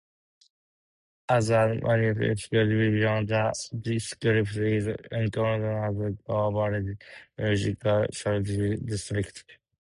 As a municipal division, the district is incorporated as Kovrovsky Municipal District.